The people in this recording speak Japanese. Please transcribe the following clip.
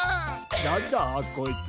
なんだこいつ？